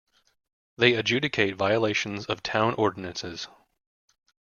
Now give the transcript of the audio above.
They adjudicate violations of town ordinances.